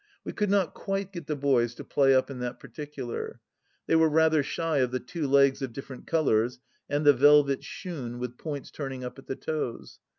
We could not quite get the boys to play up in that particular ; they were rather shy of the two legs of different colours and the velvet shoon with points turning up at the toes.